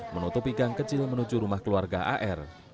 menutupi gang kecil menuju rumah keluarga ar